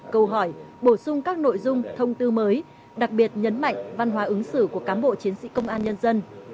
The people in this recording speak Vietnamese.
câu hỏi bổ sung các nội dung thông tư mới đặc biệt nhấn mạnh văn hóa ứng xử của cám bộ chiến sĩ công an nhân dân